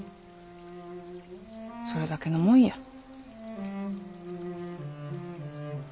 それだけのもんや。